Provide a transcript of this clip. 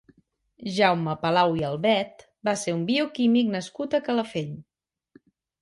Jaume Palau i Albet va ser un bioquímic nascut a Calafell.